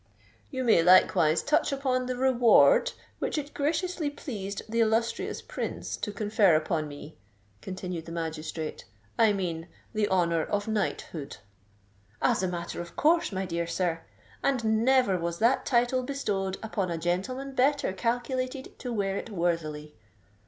"You may likewise touch upon the reward which it graciously pleased the illustrious Prince to confer upon me," continued the magistrate: "I mean—the honour of knighthood." "As a matter of course, my dear sir; and never was that title bestowed upon a gentleman better calculated to wear it worthily."